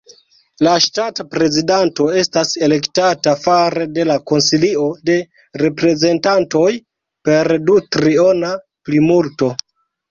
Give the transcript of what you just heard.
La ŝtata prezidanto estas elektata fare de la Konsilio de Reprezentantoj per du-triona plimulto.